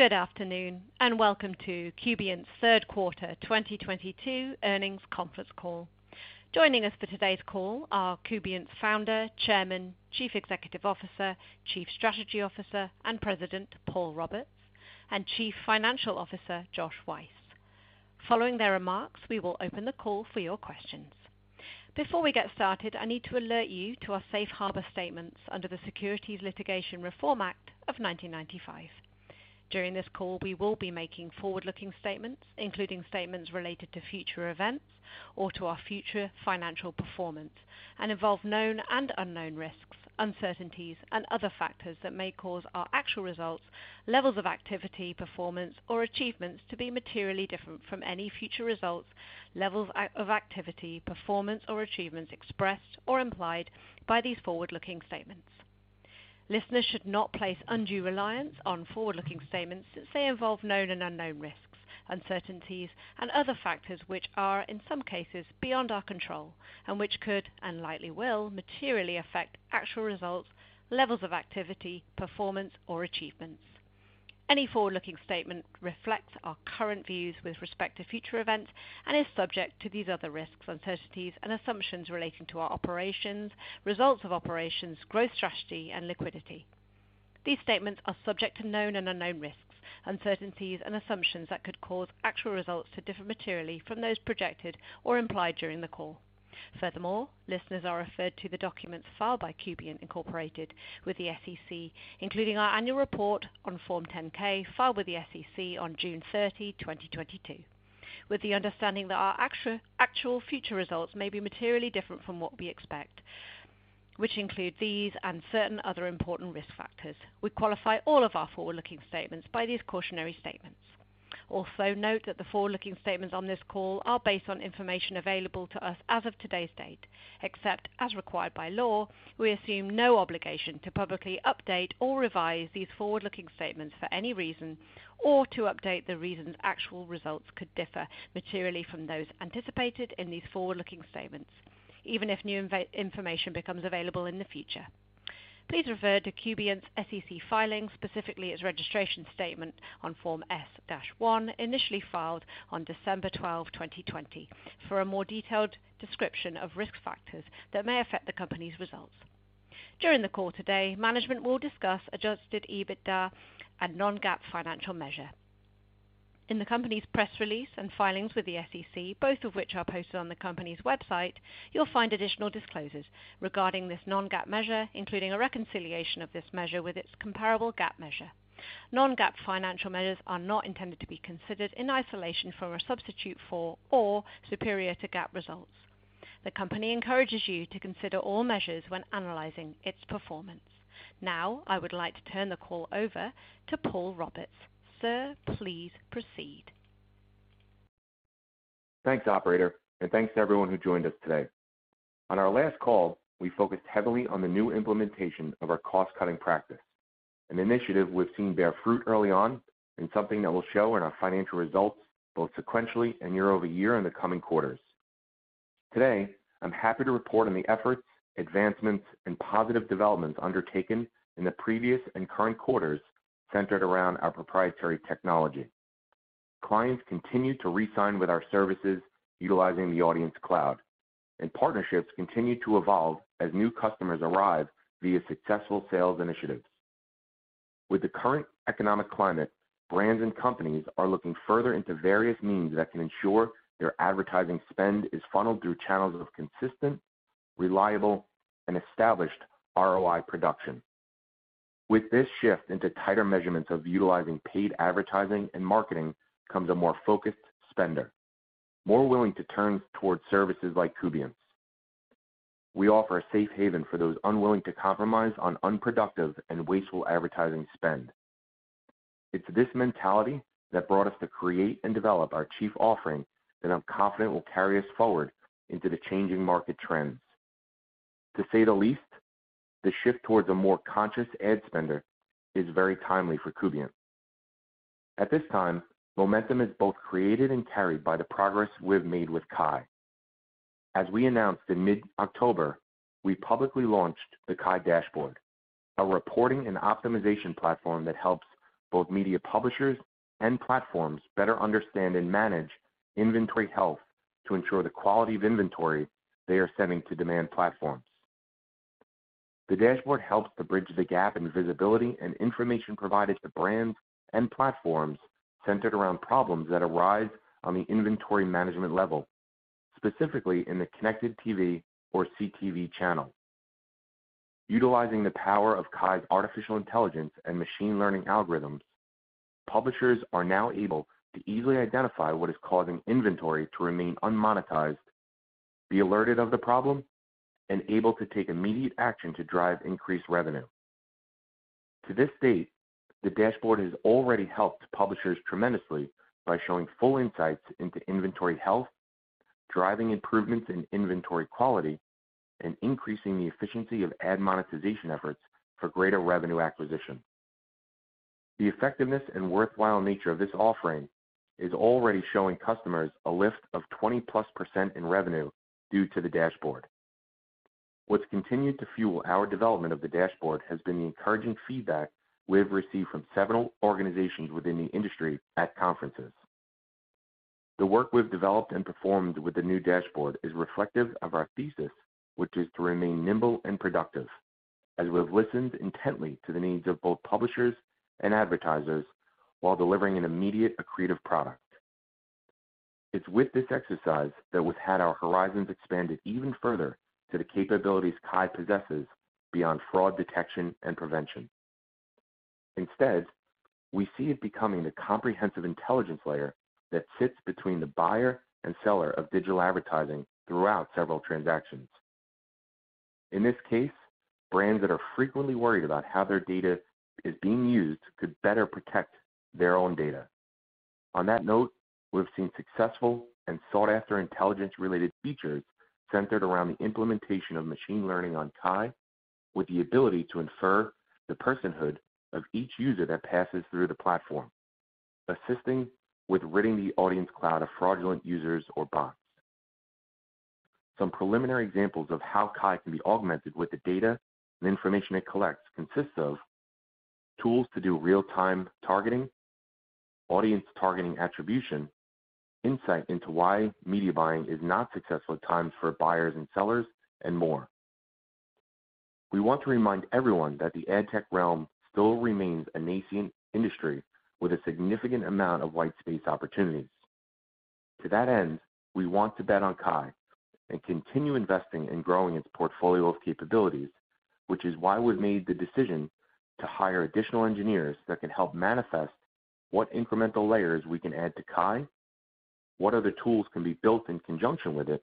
Good afternoon, and welcome to Kubient's third quarter 2022 earnings conference call. Joining us for today's call are Kubient's Founder, Chairman, Chief Executive Officer, Chief Strategy Officer, and President, Paul Roberts; and Chief Financial Officer, Josh Weiss. Following their remarks, we will open the call for your questions. Before we get started, I need to alert you to our safe harbor statements under the Private Securities Litigation Reform Act of 1995. During this call, we will be making forward-looking statements, including statements related to future events or to our future financial performance, and involve known and unknown risks, uncertainties, and other factors that may cause our actual results, levels of activity, performance, or achievements to be materially different from any future results, levels of activity, performance, or achievements expressed or implied by these forward-looking statements. Listeners should not place undue reliance on forward-looking statements since they involve known and unknown risks, uncertainties and other factors which are, in some cases, beyond our control and which could, and likely will, materially affect actual results, levels of activity, performance, or achievements. Any forward-looking statement reflects our current views with respect to future events and is subject to these other risks, uncertainties, and assumptions relating to our operations, results of operations, growth strategy, and liquidity. These statements are subject to known and unknown risks, uncertainties, and assumptions that could cause actual results to differ materially from those projected or implied during the call. Furthermore, listeners are referred to the documents filed by Kubient, Incorporated with the SEC, including our annual report on Form 10-K filed with the SEC on June 30, 2022. With the understanding that our actual future results may be materially different from what we expect, which include these and certain other important risk factors. We qualify all of our forward-looking statements by these cautionary statements. Also, note that the forward-looking statements on this call are based on information available to us as of today's date, except as required by law, we assume no obligation to publicly update or revise these forward-looking statements for any reason or to update the reasons actual results could differ materially from those anticipated in these forward-looking statements, even if new information becomes available in the future. Please refer to Kubient's SEC filings, specifically its registration statement on Form S-1, initially filed on December 12, 2020, for a more detailed description of risk factors that may affect the company's results. During the call today, management will discuss Adjusted EBITDA and non-GAAP financial measures. In the company's press release and filings with the SEC, both of which are posted on the company's website, you'll find additional disclosures regarding this non-GAAP measure, including a reconciliation of this measure with its comparable GAAP measure. Non-GAAP financial measures are not intended to be considered in isolation or as a substitute for or superior to GAAP results. The company encourages you to consider all measures when analyzing its performance. Now, I would like to turn the call over to Paul Roberts. Sir, please proceed. Thanks, operator, and thanks to everyone who joined us today. On our last call, we focused heavily on the new implementation of our cost-cutting practice, an initiative we've seen bear fruit early on and something that will show in our financial results both sequentially and year-over-year in the coming quarters. Today, I'm happy to report on the efforts, advancements, and positive developments undertaken in the previous and current quarters centered around our proprietary technology. Clients continue to re-sign with our services utilizing the Audience Cloud, and partnerships continue to evolve as new customers arrive via successful sales initiatives. With the current economic climate, brands and companies are looking further into various means that can ensure their advertising spend is funneled through channels of consistent, reliable, and established ROI production. With this shift into tighter measurements of utilizing paid advertising and marketing comes a more focused spender, more willing to turn towards services like Kubient's. We offer a safe haven for those unwilling to compromise on unproductive and wasteful advertising spend. It's this mentality that brought us to create and develop our chief offering that I'm confident will carry us forward into the changing market trends. To say the least, the shift towards a more conscious ad spender is very timely for Kubient. At this time, momentum is both created and carried by the progress we've made with KAI. As we announced in mid-October, we publicly launched the KAI Dashboard, a reporting and optimization platform that helps both media publishers and platforms better understand and manage inventory health to ensure the quality of inventory they are sending to demand platforms. The dashboard helps to bridge the gap in visibility and information provided to brands and platforms centered around problems that arise on the inventory management level, specifically in the connected TV or CTV channel. Utilizing the power of KAI's artificial intelligence and machine learning algorithms, publishers are now able to easily identify what is causing inventory to remain unmonetized, be alerted of the problem, and able to take immediate action to drive increased revenue. To this date, the dashboard has already helped publishers tremendously by showing full insights into inventory health, driving improvements in inventory quality, and increasing the efficiency of ad monetization efforts for greater revenue acquisition. The effectiveness and worthwhile nature of this offering is already showing customers a lift of 20%+ in revenue due to the dashboard. What's continued to fuel our development of the dashboard has been the encouraging feedback we have received from several organizations within the industry at conferences. The work we've developed and performed with the new dashboard is reflective of our thesis, which is to remain nimble and productive, as we've listened intently to the needs of both publishers and advertisers while delivering an immediate accretive product. It's with this exercise that we've had our horizons expanded even further to the capabilities KAI possesses beyond fraud detection and prevention. Instead, we see it becoming the comprehensive intelligence layer that sits between the buyer and seller of digital advertising throughout several transactions. In this case, brands that are frequently worried about how their data is being used could better protect their own data. On that note, we've seen successful and sought-after intelligence-related features centered around the implementation of machine learning on KAI, with the ability to infer the personhood of each user that passes through the platform, assisting with ridding the Audience Cloud of fraudulent users or bots. Some preliminary examples of how KAI can be augmented with the data and information it collects consists of tools to do real-time targeting, audience targeting attribution, insight into why media buying is not successful at times for buyers and sellers, and more. We want to remind everyone that the ad tech realm still remains a nascent industry with a significant amount of white space opportunities. To that end, we want to bet on KAI and continue investing in growing its portfolio of capabilities, which is why we've made the decision to hire additional engineers that can help manifest what incremental layers we can add to KAI, what other tools can be built in conjunction with it,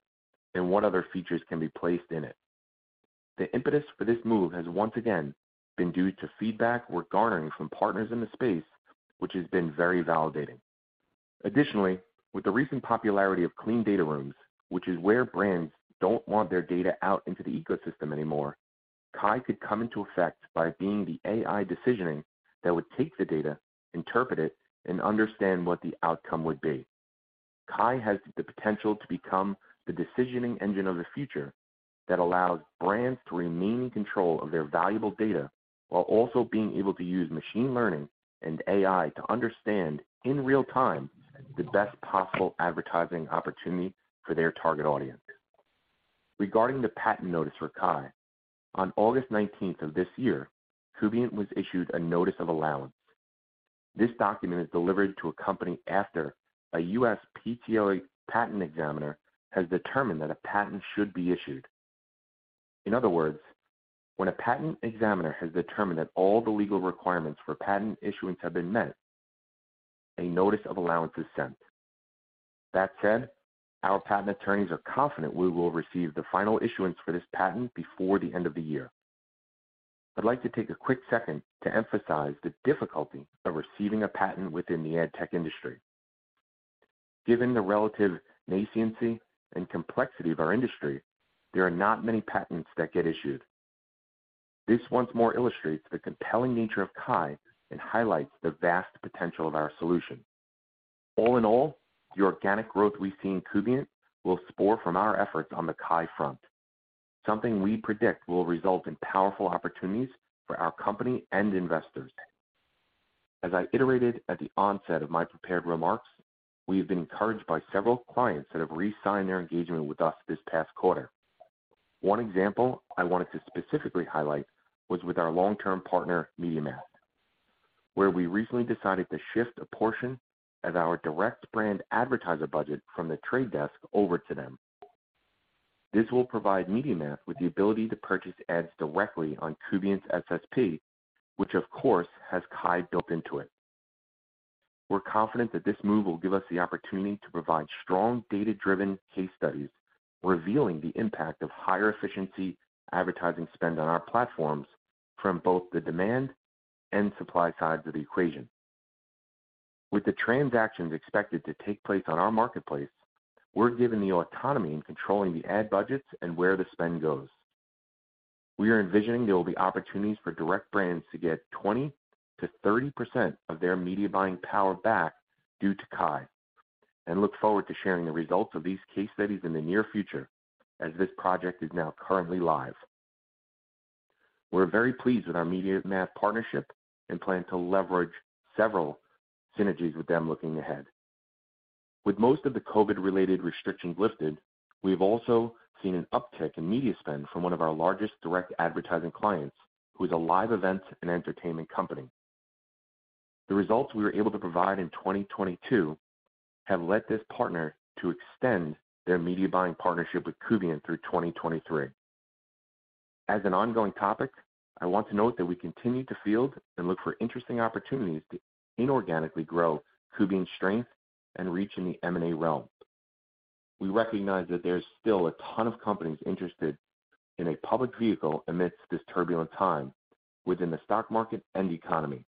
and what other features can be placed in it. The impetus for this move has once again been due to feedback we're garnering from partners in the space, which has been very validating. Additionally, with the recent popularity of clean data rooms, which is where brands don't want their data out into the ecosystem anymore, KAI could come into effect by being the AI decisioning that would take the data, interpret it, and understand what the outcome would be. KAI has the potential to become the decisioning engine of the future that allows brands to remain in control of their valuable data while also being able to use machine learning and AI to understand in real time the best possible advertising opportunity for their target audience. Regarding the patent notice for KAI, on August nineteenth of this year, Kubient was issued a notice of allowance. This document is delivered to a company after a USPTO patent examiner has determined that a patent should be issued. In other words, when a patent examiner has determined that all the legal requirements for patent issuance have been met, a notice of allowance is sent. That said, our patent attorneys are confident we will receive the final issuance for this patent before the end of the year. I'd like to take a quick second to emphasize the difficulty of receiving a patent within the ad tech industry. Given the relative nascency and complexity of our industry, there are not many patents that get issued. This once more illustrates the compelling nature of KAI and highlights the vast potential of our solution. All in all, the organic growth we see in Kubient will spur from our efforts on the KAI front, something we predict will result in powerful opportunities for our company and investors. As I iterated at the onset of my prepared remarks, we have been encouraged by several clients that have re-signed their engagement with us this past quarter. One example I wanted to specifically highlight was with our long-term partner, MediaMath, where we recently decided to shift a portion of our direct brand advertiser budget from The Trade Desk over to them. This will provide MediaMath with the ability to purchase ads directly on Kubient's SSP, which of course has KAI built into it. We're confident that this move will give us the opportunity to provide strong data-driven case studies revealing the impact of higher efficiency advertising spend on our platforms from both the demand and supply sides of the equation. With the transactions expected to take place on our marketplace, we're given the autonomy in controlling the ad budgets and where the spend goes. We are envisioning there will be opportunities for direct brands to get 20%-30% of their media buying power back due to KAI, and look forward to sharing the results of these case studies in the near future as this project is now currently live. We're very pleased with our MediaMath partnership and plan to leverage several synergies with them looking ahead. With most of the COVID-related restrictions lifted, we have also seen an uptick in media spend from one of our largest direct advertising clients, who is a live events and entertainment company. The results we were able to provide in 2022 have led this partner to extend their media buying partnership with Kubient through 2023. As an ongoing topic, I want to note that we continue to field and look for interesting opportunities to inorganically grow Kubient's strength and reach in the M&A realm. We recognize that there's still a ton of companies interested in a public vehicle amidst this turbulent time within the stock market and economy,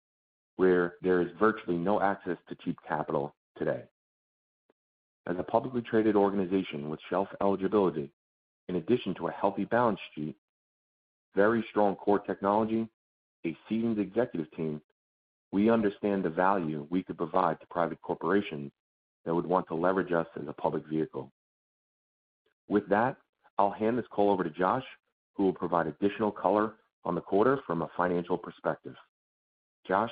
where there is virtually no access to cheap capital today. As a publicly traded organization with shelf eligibility, in addition to a healthy balance sheet, very strong core technology, a seasoned executive team. We understand the value we could provide to private corporations that would want to leverage us as a public vehicle. With that, I'll hand this call over to Josh, who will provide additional color on the quarter from a financial perspective. Josh?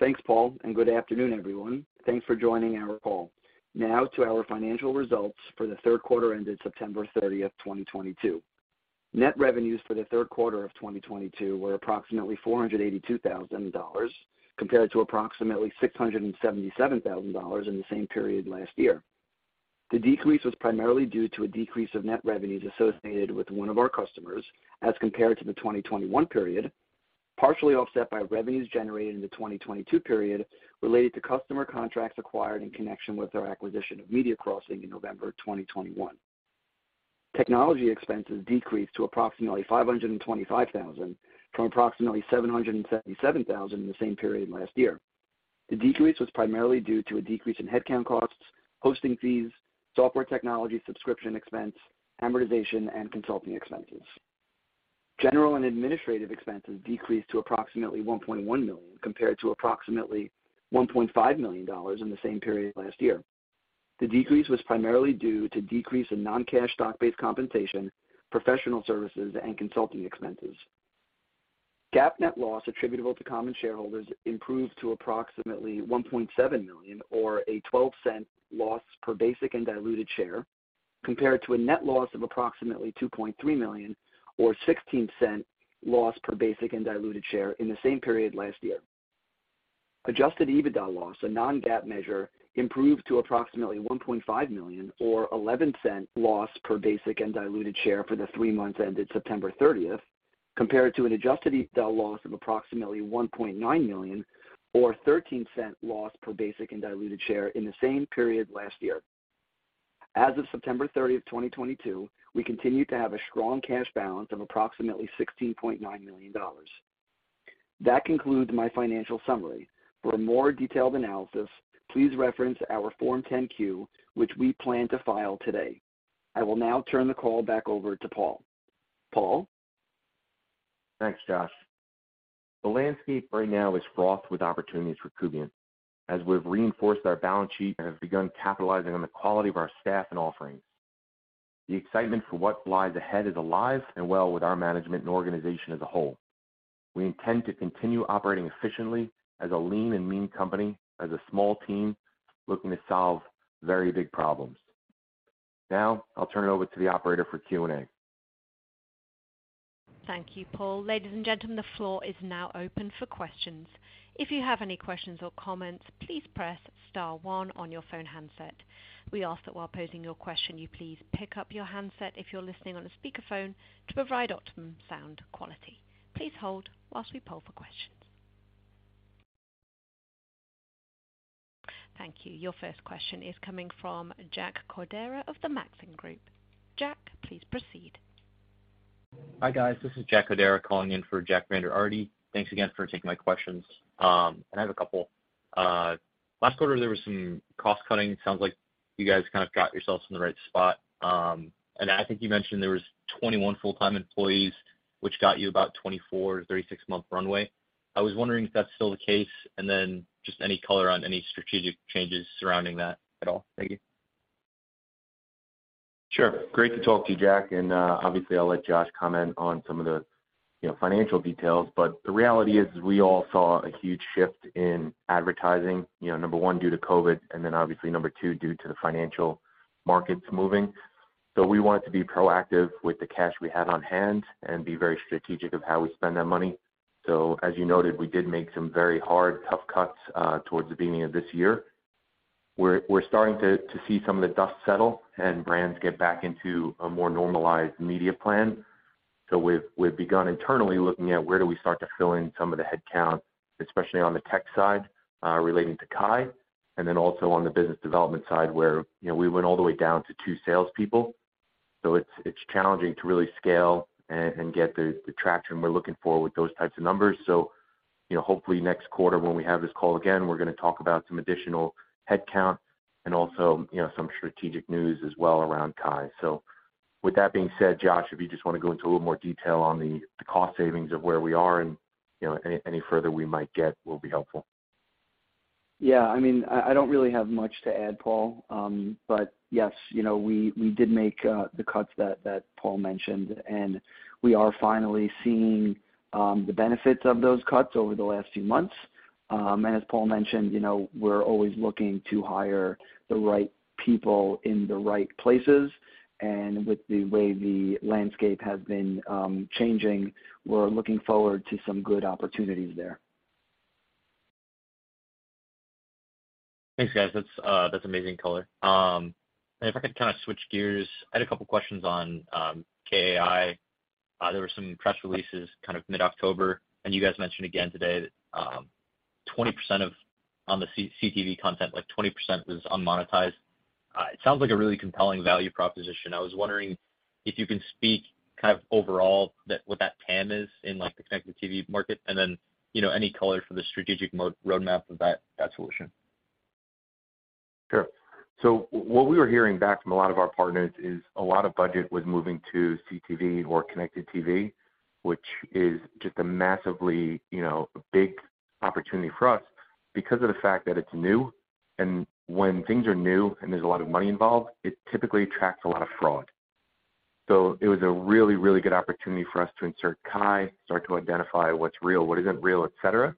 Thanks, Paul, and good afternoon, everyone. Thanks for joining our call. Now to our financial results for the third quarter ended September 30th, 2022. Net revenues for the third quarter of 2022 were approximately $482,000 compared to approximately $677,000 in the same period last year. The decrease was primarily due to a decrease of net revenues associated with one of our customers as compared to the 2021 period, partially offset by revenues generated in the 2022 period related to customer contracts acquired in connection with our acquisition of MediaCrossing in November 2021. Technology expenses decreased to approximately $525,000 from approximately $777,000 in the same period last year. The decrease was primarily due to a decrease in headcount costs, hosting fees, software technology, subscription expense, amortization, and consulting expenses. General and administrative expenses decreased to approximately $1.1 million compared to approximately $1.5 million in the same period last year. The decrease was primarily due to decrease in non-cash stock-based compensation, professional services, and consulting expenses. GAAP net loss attributable to common shareholders improved to approximately $1.7 million or a $0.12 loss per basic and diluted share, compared to a net loss of approximately $2.3 million or $0.16 loss per basic and diluted share in the same period last year. Adjusted EBITDA loss, a non-GAAP measure, improved to approximately $1.5 million or $0.11 loss per basic and diluted share for the three months ended September 30th, compared to an Adjusted EBITDA loss of approximately $1.9 million or $0.13 loss per basic and diluted share in the same period last year. As of September 30th, 2022, we continued to have a strong cash balance of approximately $16.9 million. That concludes my financial summary. For a more detailed analysis, please reference our Form 10-Q, which we plan to file today. I will now turn the call back over to Paul. Paul? Thanks, Josh. The landscape right now is fraught with opportunities for Kubient as we've reinforced our balance sheet and have begun capitalizing on the quality of our staff and offerings. The excitement for what lies ahead is alive and well with our management and organization as a whole. We intend to continue operating efficiently as a lean and mean company, as a small team looking to solve very big problems. Now, I'll turn it over to the operator for Q&A. Thank you, Paul. Ladies and gentlemen, the floor is now open for questions. If you have any questions or comments, please press star one on your phone handset. We ask that while posing your question, you please pick up your handset if you're listening on a speakerphone to provide optimum sound quality. Please hold while we poll for questions. Thank you. Your first question is coming from Jack Codera of the Maxim Group. Jack, please proceed. Hi, guys. This is Jack Codera calling in for Jack Vander Aarde. Thanks again for taking my questions, and I have a couple. Last quarter, there was some cost-cutting. It sounds like you guys kind of got yourselves in the right spot. I think you mentioned there was 21 full-time employees, which got you about 24-36 month runway. I was wondering if that's still the case, and then just any color on any strategic changes surrounding that at all. Thank you. Sure. Great to talk to you, Jack, and obviously I'll let Josh comment on some of the, you know, financial details. The reality is we all saw a huge shift in advertising, you know, number one, due to COVID, and then obviously number two, due to the financial markets moving. We wanted to be proactive with the cash we had on hand and be very strategic of how we spend that money. As you noted, we did make some very hard, tough cuts towards the beginning of this year. We're starting to see some of the dust settle and brands get back into a more normalized media plan. We've begun internally looking at where do we start to fill in some of the headcount, especially on the tech side, relating to KAI, and then also on the business development side where, you know, we went all the way down to two salespeople. It's challenging to really scale and get the traction we're looking for with those types of numbers. You know, hopefully next quarter when we have this call again, we're gonna talk about some additional headcount and also, you know, some strategic news as well around KAI. With that being said, Josh, if you just wanna go into a little more detail on the cost savings of where we are and, you know, any further we might get will be helpful. Yeah. I mean, I don't really have much to add, Paul. Yes, you know, we did make the cuts that Paul mentioned, and we are finally seeing the benefits of those cuts over the last few months. As Paul mentioned, you know, we're always looking to hire the right people in the right places. With the way the landscape has been changing, we're looking forward to some good opportunities there. Thanks, guys. That's amazing color. If I could kind of switch gears, I had a couple questions on KAI. There were some press releases kind of mid-October, and you guys mentioned again today that 20% of the CTV content, like 20% was unmonetized. It sounds like a really compelling value proposition. I was wondering if you can speak kind of overall what that TAM is in like the connected TV market, and then, you know, any color for the strategic roadmap of that solution. Sure. What we were hearing back from a lot of our partners is a lot of budget was moving to CTV or connected TV, which is just a massively, you know, big opportunity for us because of the fact that it's new. When things are new and there's a lot of money involved, it typically attracts a lot of fraud. It was a really, really good opportunity for us to insert KAI, start to identify what's real, what isn't real, et cetera.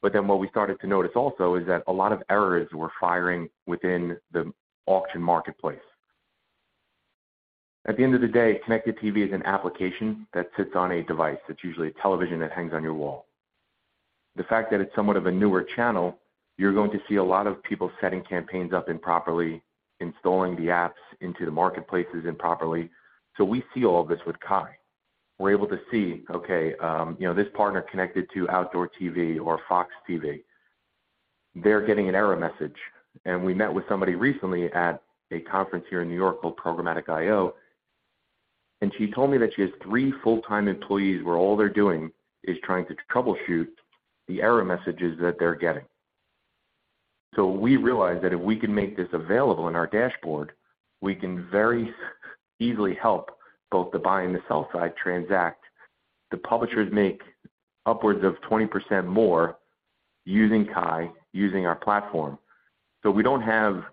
What we started to notice also is that a lot of errors were firing within the auction marketplace. At the end of the day, connected TV is an application that sits on a device. That's usually a television that hangs on your wall. The fact that it's somewhat of a newer channel, you're going to see a lot of people setting campaigns up improperly, installing the apps into the marketplaces improperly. We see all this with KAI. We're able to see, okay, you know, this partner connected to Outdoor TV or Fox TV, they're getting an error message. We met with somebody recently at a conference here in New York called Programmatic I/O, and she told me that she has three full-time employees, where all they're doing is trying to troubleshoot the error messages that they're getting. We realized that if we can make this available in our dashboard, we can very easily help both the buy and the sell side transact. The publishers make upwards of 20% more using KAI, using our platform. We don't have,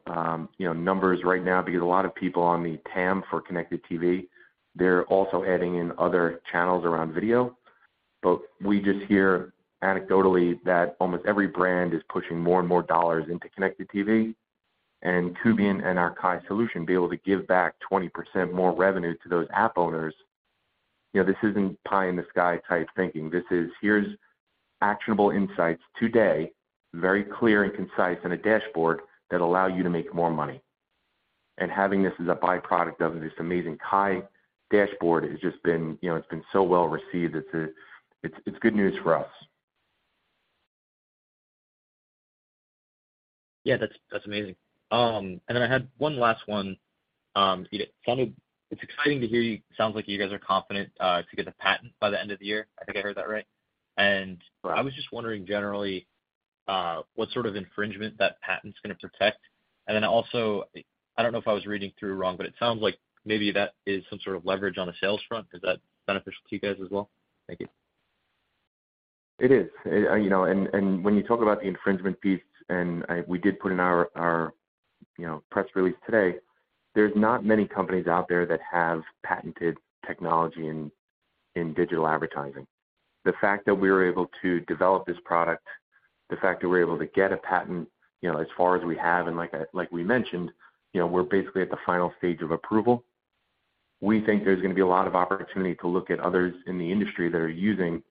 you know, numbers right now because a lot of people on the TAM for connected TV, they're also adding in other channels around video. We just hear anecdotally that almost every brand is pushing more and more dollars into connected TV. Kubient and our KAI solution be able to give back 20% more revenue to those app owners. You know, this isn't pie in the sky type thinking. This is, here's actionable insights today, very clear and concise in a dashboard that allow you to make more money. Having this as a byproduct of this amazing KAI Dashboard has just been, you know, it's been so well received. It's good news for us. Yeah. That's amazing. I had one last one. It's exciting to hear you. Sounds like you guys are confident to get the patent by the end of the year. I think I heard that right. Right. I was just wondering generally, what sort of infringement that patent's gonna protect. Then also, I don't know if I was reading through wrong, but it sounds like maybe that is some sort of leverage on the sales front. Is that beneficial to you guys as well? Thank you. It is. You know, and when you talk about the infringement piece, and we did put in our you know, press release today. There aren't many companies out there that have patented technology in digital advertising. The fact that we were able to develop this product, the fact that we're able to get a patent, you know, as far as we have, and like we mentioned, you know, we're basically at the final stage of approval. We think there's gonna be a lot of opportunity to look at others in the industry that are using,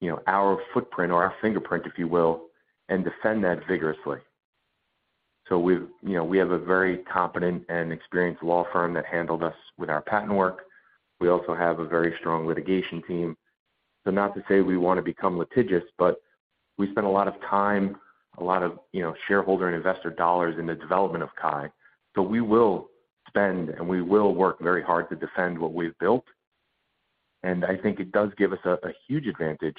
you know, our footprint or our fingerprint, if you will, and defend that vigorously. We've, you know, we have a very competent and experienced law firm that handled us with our patent work. We also have a very strong litigation team. Not to say we wanna become litigious, but we spend a lot of time, a lot of, you know, shareholder and investor dollars in the development of KAI. We will spend, and we will work very hard to defend what we've built. I think it does give us a huge advantage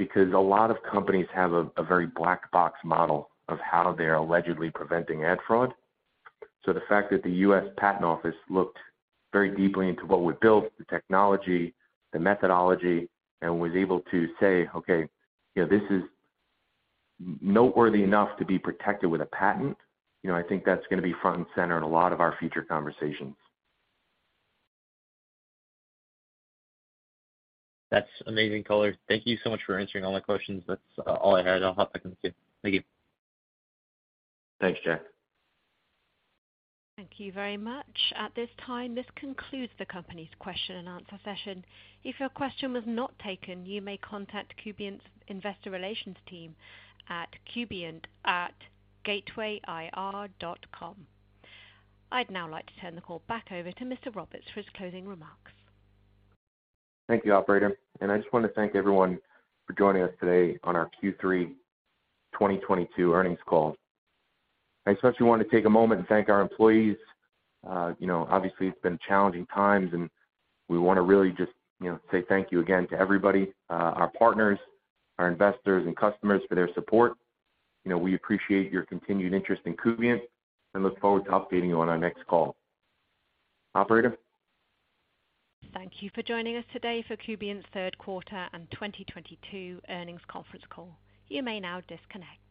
because a lot of companies have a very black box model of how they're allegedly preventing ad fraud. The fact that the US Patent Office looked very deeply into what we built, the technology, the methodology, and was able to say, "Okay, you know, this is noteworthy enough to be protected with a patent." You know, I think that's gonna be front and center in a lot of our future conversations. That's amazing, Paul Roberts. Thank you so much for answering all my questions. That's all I had. I'll hop back on the queue. Thank you. Thanks, Jack. Thank you very much. At this time, this concludes the company's question and answer session. If your question was not taken, you may contact Kubient's Investor Relations team at Kubient@gatewayir.com. I'd now like to turn the call back over to Mr. Roberts for his closing remarks. Thank you, operator. I just wanna thank everyone for joining us today on our Q3 2022 earnings call. I especially wanna take a moment and thank our employees. You know, obviously, it's been challenging times, and we wanna really just, you know, say thank you again to everybody, our partners, our investors and customers for their support. You know, we appreciate your continued interest in Kubient and look forward to updating you on our next call. Operator? Thank you for joining us today for Kubient's third quarter and 2022 earnings conference call. You may now disconnect.